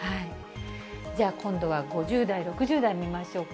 じゃあ、今度は５０代、６０代見ましょうか。